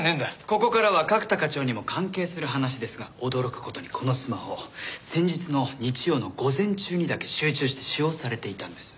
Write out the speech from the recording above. ここからは角田課長にも関係する話ですが驚く事にこのスマホ先日の日曜の午前中にだけ集中して使用されていたんです。